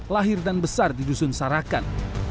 lahir dan besar di dusun sarakan